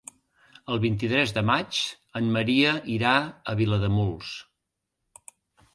El vint-i-tres de maig en Maria irà a Vilademuls.